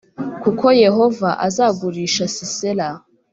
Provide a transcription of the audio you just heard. kuko Yehova azagurisha Sisera